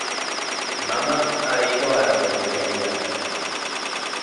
Mama ha ido a la peluquería.